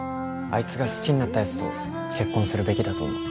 あいつが好きになったやつと結婚するべきだと思う。